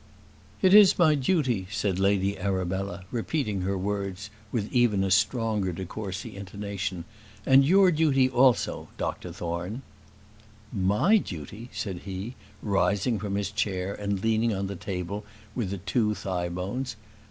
"It is my duty," said Lady Arabella, repeating her words with even a stronger de Courcy intonation; "and your duty also, Dr Thorne." "My duty!" said he, rising from his chair and leaning on the table with the two thigh bones.